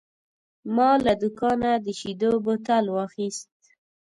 ما له دوکانه د شیدو بوتل واخیست.